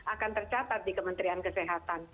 akan tercatat di kementerian kesehatan